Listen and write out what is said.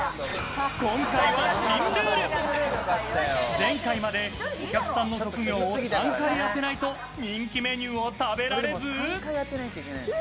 今回は新ルール、前回まで、お客さんの職業を３回当てないと人気メニューを食べられず。